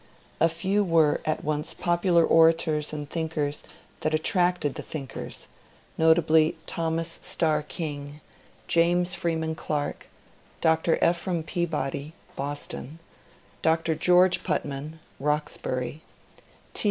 A few were at once popular orators and thinkers that attracted the thinkers — notably Thomas Starr King, James ' Freeman Clarke, Dr. Ephraim Peabody (Boston), Dr. George Putnam (Roxbury), T.